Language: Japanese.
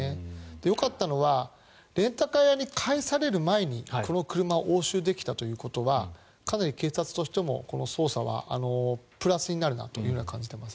よかったのはレンタカー屋に返される前にこの車を押収できたということはかなり警察としてもこの捜査はプラスになるなと思います。